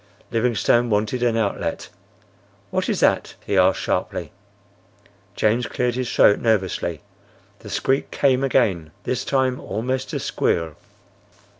Livingstone wanted an outlet. "What is that?" he asked, sharply. James cleared his throat nervously. The squeak came again—this time almost a squeal.